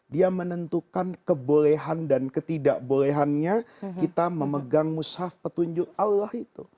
dia menentukan kebolehan dan ketidakbolehannya kita memegang mushaf petunjuk allah itu